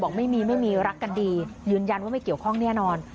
ไม่มีไม่มีรักกันดียืนยันว่าไม่เกี่ยวข้องแน่นอน